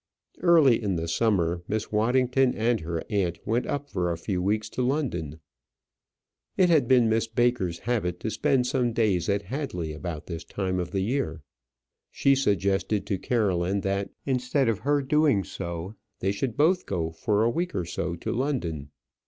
Early in the summer, Miss Waddington and her aunt went up for a few weeks to London. It had been Miss Baker's habit to spend some days at Hadley about this time of the year. She suggested to Caroline, that instead of her doing so, they should both go for a week or so to London.